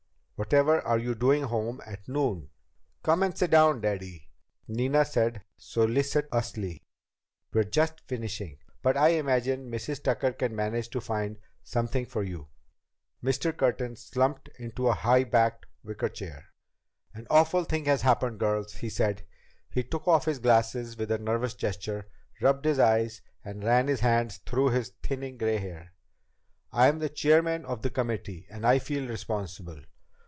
"Whatever are you doing home at noon?" "Come and sit down, Daddy," Nina said solicitously. "We're just finishing, but I imagine Mrs. Tucker can manage to find something for you." Mr. Curtin slumped into a high backed wicker chair. "An awful thing has happened, girls," he said. He took off his glasses with a nervous gesture, rubbed his eyes, and ran his hand through his thinning gray hair. "I'm the chairman of the committee, and I feel responsible.